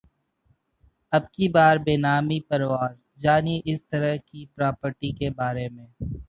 अबकी बार, बेनामी पर वार! जानिए इस तरह की प्रॉपर्टी के बारे में